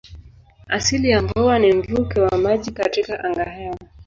Asili ya mvua ni mvuke wa maji katika angahewa.